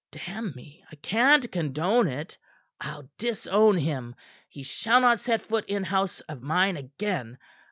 Damn me! I can't condone it. I'll disown him. He shall not set foot in house of mine again.